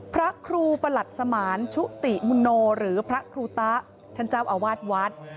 พระครูประหลัดสมานชุติมุโนหรือพระครูตะท่านเจ้าอาวาสวัด